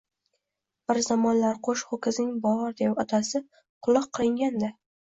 Bir zamonlar qo‘sh ho‘kizing bor deb otasi kuloq qilingan-da.